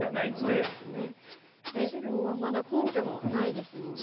白はまだ根拠もないですもんね。